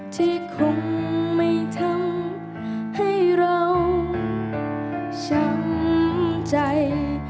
ที่คงไม่ทำให้เราช้ำใจ